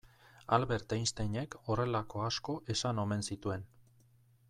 Albert Einsteinek horrelako asko esan omen zituen.